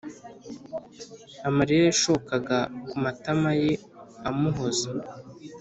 amarira yashokaga ku matamaye amuhoza